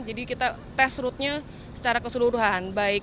jadi kita tes roadnya secara keseluruhan